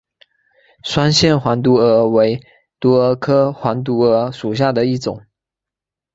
双线黄毒蛾为毒蛾科黄毒蛾属下的一个种。